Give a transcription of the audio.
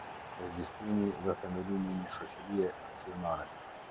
Regjistrimi dhe Themelimi i një Shoqërie Aksionare.